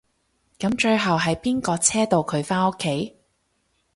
噉最後係邊個車到佢返屋企？